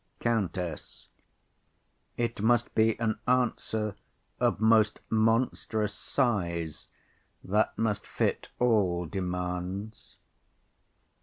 COUNTESS. It must be an answer of most monstrous size that must fit all demands.